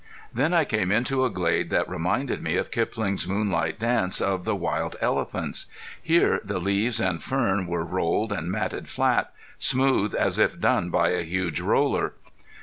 Then I came into a glade that reminded me of Kipling's moonlight dance of the wild elephants. Here the leaves and fern were rolled and matted flat, smooth as if done by a huge roller.